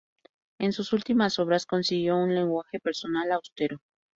En sus últimas obras consiguió un lenguaje personal austero.